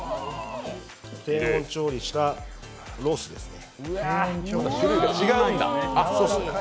低温調理したロースですね。